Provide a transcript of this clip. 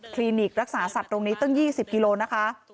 ลินิกรักษาสัตว์ตรงนี้ตั้ง๒๐กิโลนะคะ